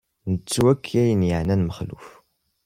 Nettu akk ayen yeɛnan Mexluf.